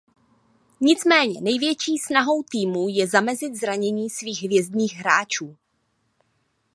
Nicméně největší snahou týmů je zamezit zranění svých hvězdných hráčů.